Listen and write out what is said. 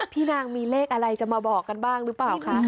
พี่นางมีเลขอะไรจะมาบอกกันบ้างหรือเปล่าคะ